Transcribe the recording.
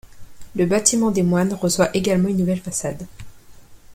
Le bâtiment des moines reçoit également une nouvelle façade.